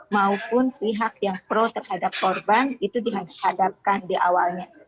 maupun pihak yang pro terhadap korban itu dihadapkan di awalnya